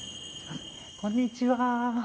こんにちは。